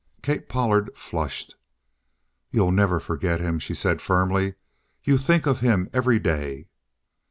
Kate Pollard flushed. "You'll never forget him," she said firmly. "You think of him every day!"